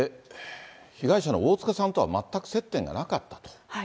被害者の大塚さんとは全く接点がなかったと。